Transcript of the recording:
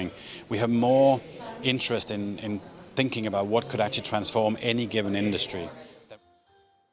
kita lebih berminat dengan memikirkan apa yang bisa diubah ke industri tertentu